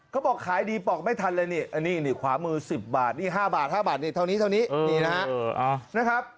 เขาบอกขายดีปลอกไม่ทันเลยนี่ขวามือ๑๐บาทนี่๕บาทเท่านี้นี่นะครับ